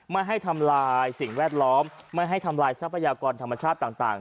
ไม่ให้ทำลายสิ่งแวดล้อมไม่ให้ทำลายทรัพยากรธรรมชาติต่าง